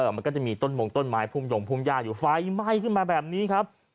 มันก็จะมีต้นหมงต้นไม้ภูมิหย่อฟ้าไอ้ไหม้ขึ้นมาแบบนี้ครับ